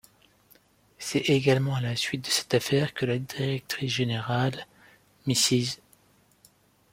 C'est également à la suite de cette affaire que la directrice générale, Mrs.